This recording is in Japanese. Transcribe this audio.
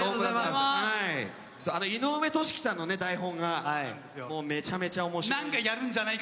井上敏樹さんの台本がめちゃめちゃおもしろい。